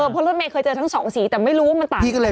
เพราะรถเมฆเคยเจอทั้ง๒สีแต่ไม่รู้ว่ามันต่างที่ยังไง